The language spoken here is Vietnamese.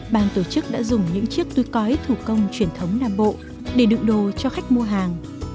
ban tổ chức đã dùng những chiếc túi cói thủ công truyền thống nam bộ để đựng đồ cho khách mua hàng